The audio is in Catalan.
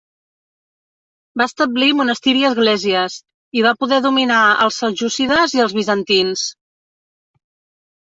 Va establir monestir i esglésies i va poder dominar als seljúcides i als bizantins.